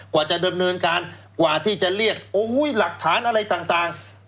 กว่าจะดำเนินการกว่าที่จะเรียกหลักฐานอะไรต่าง